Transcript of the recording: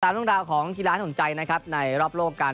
ตามต้องราวของกีฬาที่ต้องใจนะครับในรอบโลกกัน